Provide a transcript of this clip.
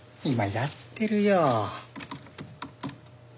今やってるよ。